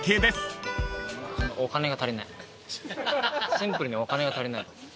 シンプルにお金が足りない。